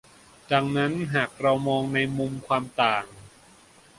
ดังนั้นหากเรามองในมุมความต่าง